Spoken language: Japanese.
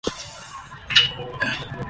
開会式